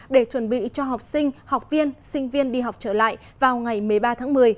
để chuẩn bị cho học sinh học viên sinh viên đi học trở lại vào ngày một mươi ba tháng một mươi